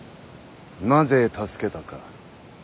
なぜ助けたか。